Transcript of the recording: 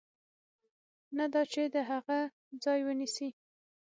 نه دا چې د هغه ځای ونیسي.